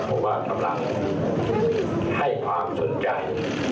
เพราะว่ากำลังให้ความสนใจ